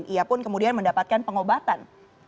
ia pun kemudian mendapatkan pengobatan